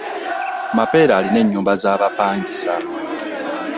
Mapere alina ennyumba za bapangisa.